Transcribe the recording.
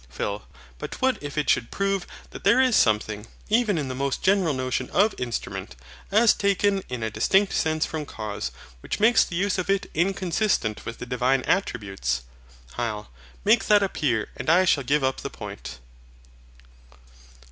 PHIL. But what if it should prove that there is something, even in the most general notion of INSTRUMENT, as taken in a distinct sense from CAUSE, which makes the use of it inconsistent with the Divine attributes? HYL. Make that appear and I shall give up the point.